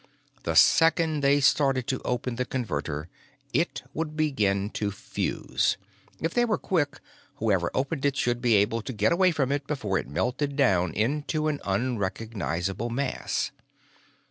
The second they started to open the Converter, it would begin to fuse. If they were quick, whoever opened it should be able to get away from it before it melted down into an unrecognizable mass.